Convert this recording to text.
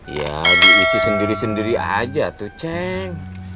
ya diisi sendiri sendiri saja tuh ceh